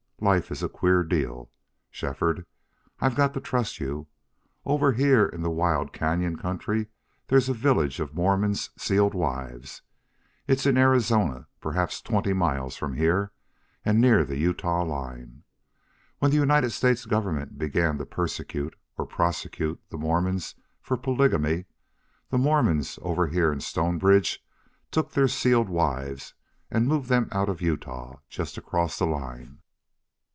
Life is a queer deal. ... Shefford, I've got to trust you. Over here in the wild cañon country there's a village of Mormons' sealed wives. It's in Arizona, perhaps twenty miles from here, and near the Utah line. When the United States government began to persecute, or prosecute, the Mormons for polygamy, the Mormons over here in Stonebridge took their sealed wives and moved them out of Utah, just across the line.